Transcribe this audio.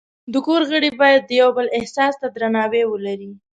د کور غړي باید د یو بل احساس ته درناوی ولري.